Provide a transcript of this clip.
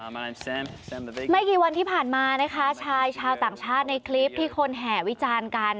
ไม่กี่วันที่ผ่านมานะคะชายชาวต่างชาติในคลิปที่คนแห่วิจารณ์กัน